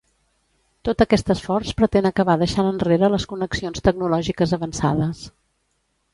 Tot aquest esforç pretén acabar deixant enrere les connexions tecnològiques avançades.